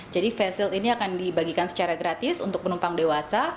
jadi face shield ini akan dibagikan secara gratis untuk penumpang dewasa